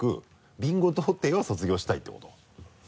ビンゴ童貞を卒業したいってこと？